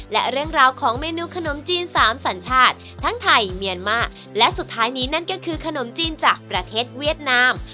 และเรื่องราวของเมนูขนมจีนสามสัญชาติทั้งไทยเมียนมาและสุดท้ายนี้นั่นก็คือขนมจีนจากประเทศเวียดนาม